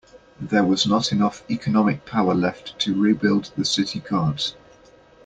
There was not enough economic power left to rebuild the city guards.